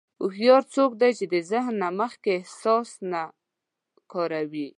هوښیار څوک دی چې د ذهن نه مخکې احساس نه کاروي.